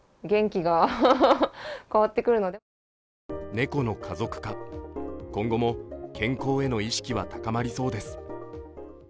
猫の家族化、今後も健康への意識は高まりそうです。